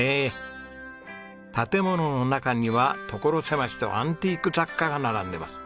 建物の中には所狭しとアンティーク雑貨が並んでます。